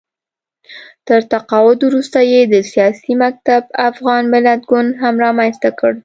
تر تقاعد وروسته یې د سیاسي مکتب افغان ملت ګوند هم رامنځته کړ